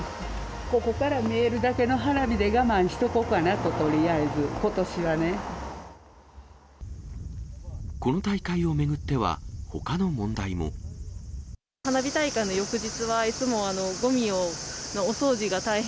ここから見えるだけの花火で我慢しとこかなと、とりあえず、この大会を巡っては、ほかの花火大会の翌日は、いつもごみのお掃除が大変。